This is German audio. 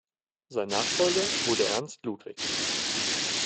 Sein Nachfolger wurde Ernst Ludwig.